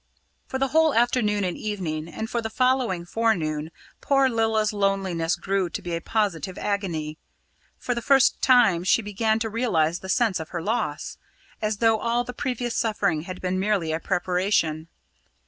For the whole afternoon and evening, and for the following forenoon, poor Lilla's loneliness grew to be a positive agony. For the first time she began to realise the sense of her loss, as though all the previous suffering had been merely a preparation.